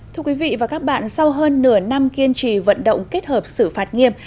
thưa quý vị và các bạn sau hơn nửa năm kiên trì vận động kết hợp xử phạt nghiêm